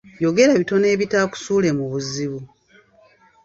Yogera bitono ebitaakusuule mu buzibu.